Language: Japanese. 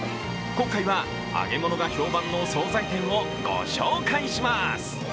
今回は、揚げ物が評判の総菜店をご紹介します。